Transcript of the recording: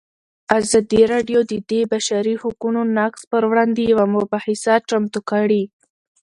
ازادي راډیو د د بشري حقونو نقض پر وړاندې یوه مباحثه چمتو کړې.